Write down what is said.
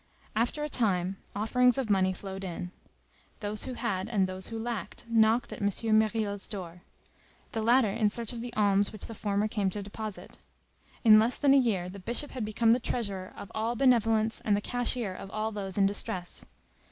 After a time, offerings of money flowed in. Those who had and those who lacked knocked at M. Myriel's door,—the latter in search of the alms which the former came to deposit. In less than a year the Bishop had become the treasurer of all benevolence and the cashier of all those in distress.